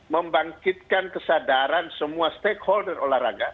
membangkitkan kesadaran semua stakeholder olahraga